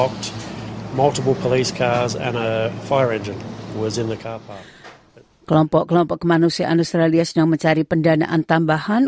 kelompok kelompok kemanusiaan australia sedang mencari pendanaan tambahan